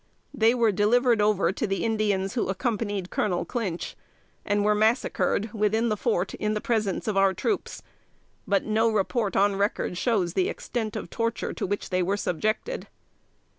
They were delivered over to the Indians who accompanied Colonel Clinch, and were massacred within the fort, in the presence of our troops; but no report on record shows the extent of torture to which they were subjected.